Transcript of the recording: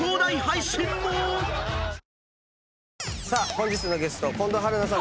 本日のゲスト近藤春菜さん。